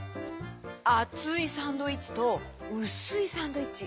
あついサンドイッチとうすいサンドイッチ。